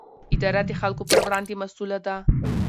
اداره د خلکو پر وړاندې مسووله ده.